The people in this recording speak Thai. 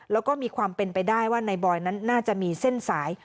แล้วก็มีความเป็นไปได้ว่านายบอยนั้นน่าจะมีเส้นสาย